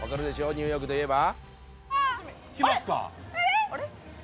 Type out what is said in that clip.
ニューヨークといえば」